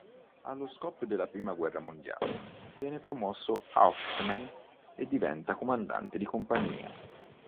Allo scoppio della prima guerra mondiale viene promosso Hauptmann e diventa comandante di compagnia.